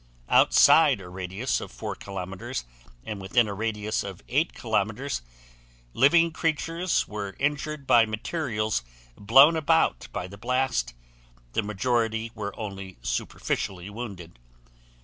"Outside a radius of 4 kilometers and within a radius of 8 kilometers living creatures were injured by materials blown about by the blast; the majority were only superficially wounded.